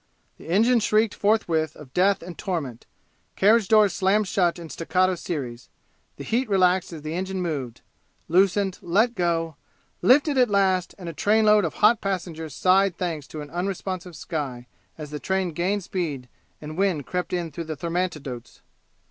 The engine shrieked forthwith of death and torment; carriage doors slammed shut in staccato series; the heat relaxed as the engine moved loosened let go lifted at last, and a trainload of hot passengers sighed thanks to an unresponsive sky as the train gained speed and wind crept in through the thermantidotes.